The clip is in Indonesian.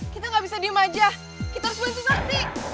kita gak bisa diem aja kita harus bantu sakti